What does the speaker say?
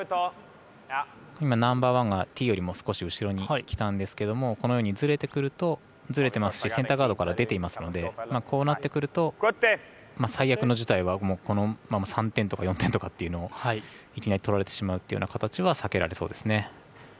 ナンバーワンがティーよりも少し後ろにきたんですけどこのようにずれてくるとずれていますしセンターガードから出ていますのでこうなってくると最悪の事態は３点とか４点とかっていうのをいきなりとられてしまうっていうような形は避けられそうですね。